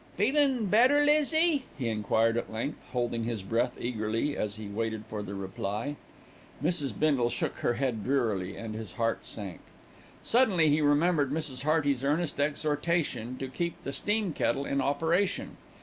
"Feelin' better, Lizzie?" he enquired at length, holding his breath eagerly as he waited for the reply. Mrs. Bindle shook her head drearily, and his heart sank. Suddenly, he remembered Mrs. Hearty's earnest exhortation to keep the steam kettle in operation.